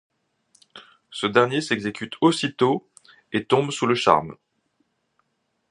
Ce dernier s'exécute aussitôt et tombe sous le charme.